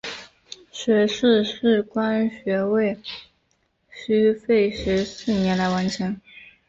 学士视光学位需费时四年来完成。